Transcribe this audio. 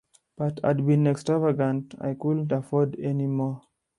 But I’d been extravagant, I couldn’t afford any more.